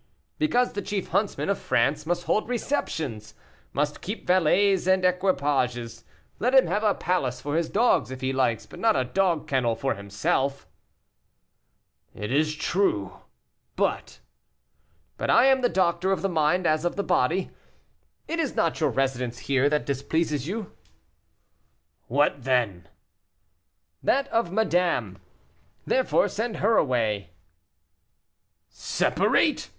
"Because the chief huntsman of France must hold receptions must keep valets and equipages. Let him have a palace for his dogs, if he likes, but not a dog kennel for himself." "It is true, but " "But I am the doctor of the mind as of the body; it is not your residence here that displeases you." "What then?" "That of madame; therefore send her away." "Separate?"